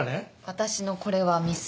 私のこれはミス。